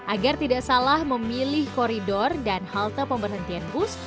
agar tidak salah memilih koridor dan halte pemberhentian bus